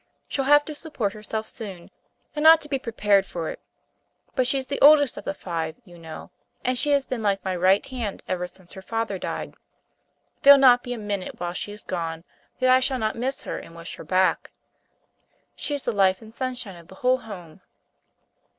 She'll have to support herself soon, and ought to be prepared for it; but she's the oldest of the five, you know, and she has been like my right hand ever since her father died. There'll not be a minute while she is gone, that I shall not miss her and wish her back. She's the life and sunshine of the whole home."